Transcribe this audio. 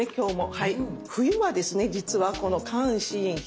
はい。